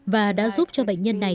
và đã giúp cho bệnh nhân này